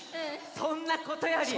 そんなことより。